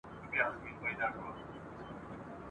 د جګړې په جریان کي خلک زغم ښکاره کوي.